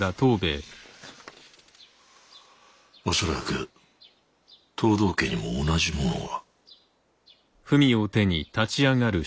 恐らく藤堂家にも同じものを。